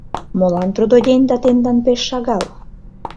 — Молан трудоденьда тендан пеш шагал?